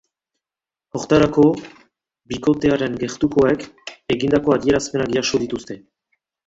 Horretarako, bikotearen gertukoek egindako adierazpenak jaso dituzte.